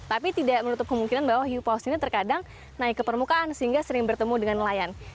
tapi tidak menutup kemungkinan bahwa hiu paus ini terkadang naik ke permukaan sehingga sering bertemu dengan nelayan